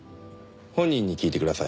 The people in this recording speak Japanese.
本人に聞いてください。